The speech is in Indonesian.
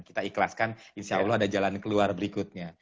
kita ikhlaskan insya allah ada jalan keluar berikutnya